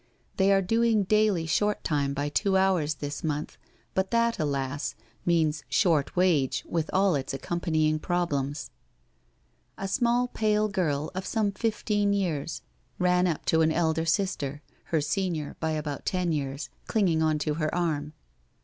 They are doing daily short time by two hours this month, but that alas I means short wage with all its accompanying problems. A small pale girl of some fifteen years ran up to 4 NO SURRENDER an elder sister, her senior by about ten years^ clinging on to her arm.